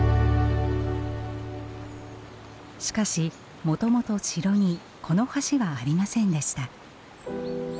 しかしもともと城にこの橋はありませんでした。